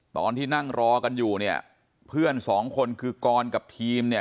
ตอนที่นั่งรอกันอยู่เนี่ยเพื่อนสองคนคือกรกับทีมเนี่ย